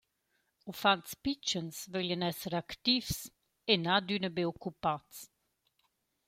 Uffants pitschens vöglian esser activs e na adüna be occupats.